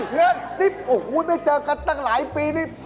เพื่อนนี่โอ้โหไม่เจอกันตั้งหลายปีนี่